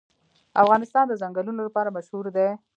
افغانستان د ځنګلونه لپاره مشهور دی.